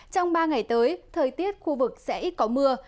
trong ba ngày tới thời tiết khu vực sẽ có mưa